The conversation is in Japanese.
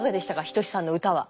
仁さんの歌は。